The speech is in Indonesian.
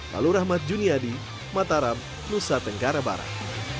lalu rahmat juniadi mataram nusa tenggara barat